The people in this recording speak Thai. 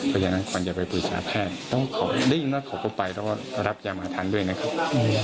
เพราะฉะนั้นควรอย่าไปปรุษศาสตร์แพทย์ต้องขอได้ยินว่าเขาก็ไปแล้วก็รับยามหาธรรมด้วยนะครับ